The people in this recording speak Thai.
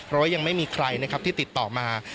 แล้วยังไม่มีใครนะครับที่ติดต่อมา